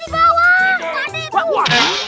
mana mana di bawah